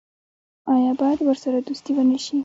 آیا باید ورسره دوستي ونشي؟